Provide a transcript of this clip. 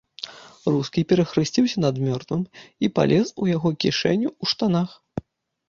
Рускі перахрысціўся над мёртвым і палез у яго кішэню ў штанах.